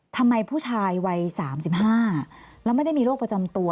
ทำไมผู้ชายวัย๓๕แล้วไม่ได้มีโรคประจำตัว